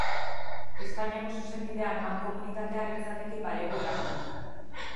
Espainiako zuzenbidean, mankomunitatea litzateke pareko erakundea.